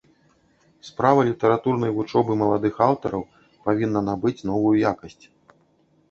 Справа літаратурнай вучобы маладых аўтараў павінна набыць новую якасць.